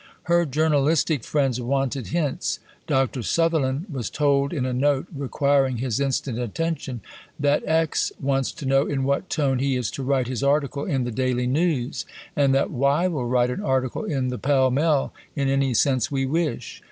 Her journalistic friends wanted hints. Dr. Sutherland was told, in a note requiring his instant attention, that "X. wants to know in what tone he is to write his article in the Daily News," and that "Y. will write an article in the Pall Mall in any sense we wish."